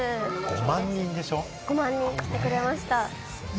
５万人、来てくれました。